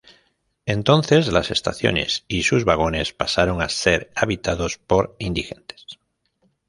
Entonces las estaciones y sus vagones pasaron a ser habitados por indigentes.